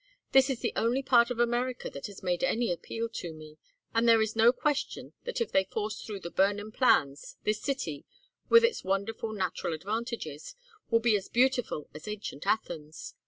This is the only part of America that has made any appeal to me, and there is no question that if they force through the Burnham plans, this city, with its wonderful natural advantages, will be as beautiful as ancient Athens.